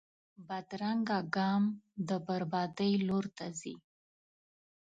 بدرنګه ګام د بربادۍ لور ته ځي